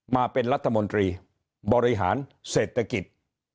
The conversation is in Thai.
มาเป็นรัฐมนตรีบริหารเศรษฐกิจ